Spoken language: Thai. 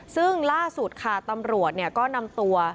ซึ่งล่าสุดค่ะตำรวจก็นำตัว